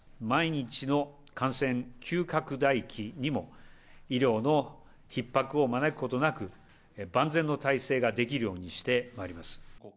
万一の感染急拡大期にも、医療のひっ迫を招くことなく、万全の体制ができるようにしてまいります。